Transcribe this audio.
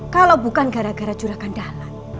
kalau bukan gara gara jurah gendalan